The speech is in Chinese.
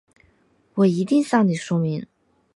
我一定向你说明